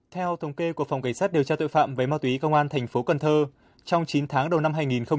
theo thống kê của phòng cảnh sát điều tra tội phạm với ma túy công an tp cần thơ trong chín tháng đầu năm hai nghìn một mươi năm